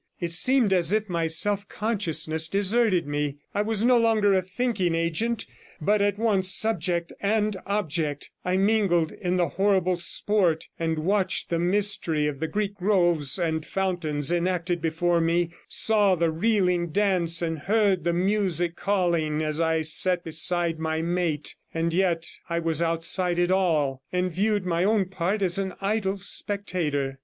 It seemed as if my self consciousness deserted me; I was no longer a thinking agent, but at once subject and object; I mingled in the horrible sport, and watched the mystery of the Greek groves and fountains enacted before me, saw the reeling dance and heard the music calling as I sat beside my mate, and yet I was outside it all, and viewed my own part an idle spectator.